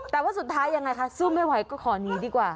แต่ว่าสุดท้ายยังไงคะสู้ไม่ไหวก็ขอหนีดีกว่า